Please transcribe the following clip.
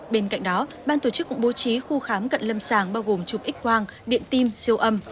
bên cạnh đó ban tổ chức cũng bố trí khu khám cận lâm sàng bao gồm chụp x quang điện tim siêu âm